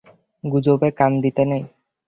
গুজবে কান দিতে নেই।